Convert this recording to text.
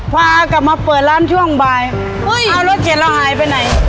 พากลับมาเปิดร้านช่วงบ่ายเอารถเข็ดเราหายไปไหน